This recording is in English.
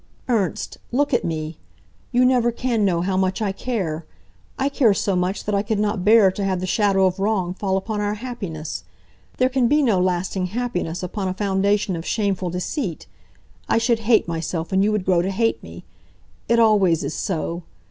"Ernst, look at me! You never can know how much I care. I care so much that I could not bear to have the shadow of wrong fall upon our happiness. There can be no lasting happiness upon a foundation of shameful deceit. I should hate myself, and you would grow to hate me. It always is so.